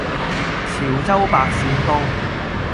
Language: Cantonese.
潮州白鱔煲